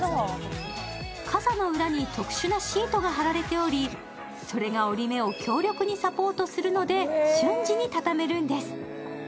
傘の裏に特殊なシートが貼られており、それが折り目を強力にサポートするので瞬時に畳めるんです。